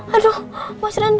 aduh mas randy